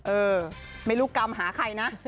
เออไม่รู้กรรมหาใครนะ